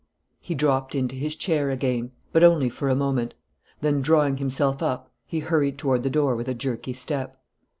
He dropped into his chair again, but only for a moment; then, drawing himself up, he hurried toward the door with a jerky step.